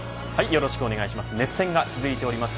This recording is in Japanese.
よろしくお願いします。